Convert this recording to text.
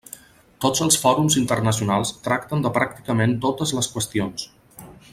Tots els fòrums internacionals tracten de pràcticament totes les qüestions.